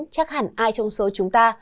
chắc hẳn ai trong số chúng ta